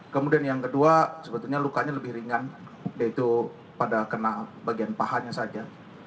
kemudian yang kedua sebetulnya lukanya lebih ringan yaitu pada kena bagian pahanya saja